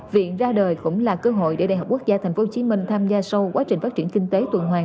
viện ra đời cũng là cơ hội để đại học quốc gia tp hcm tham gia sâu quá trình phát triển kinh tế tuần hoàng